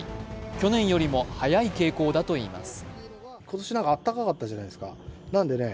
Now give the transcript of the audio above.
去年よりも早い傾向だといいます。